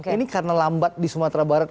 ini karena lambat di sumatera barat